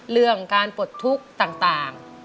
เรื่องการปลดทุกข์ต่าง